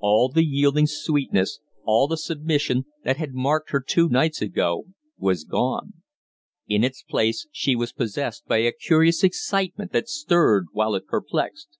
All the yielding sweetness, all the submission, that had marked her two nights ago was gone; in its place she was possessed by a curious excitement that stirred while it perplexed.